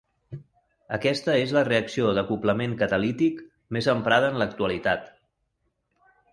Aquesta és la reacció d'acoblament catalític més emprada en l'actualitat.